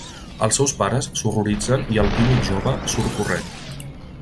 Els seus pares s'horroritzen i el tímid jove surt corrent.